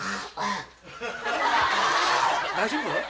大丈夫？